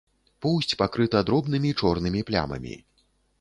Поўсць пакрыта дробнымі чорнымі плямамі.